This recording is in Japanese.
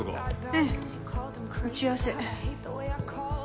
ええ打ち合わせ。